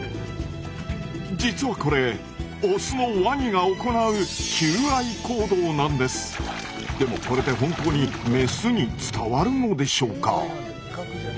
実はこれオスのワニが行うでもこれで本当にメスに伝わるのでしょうか？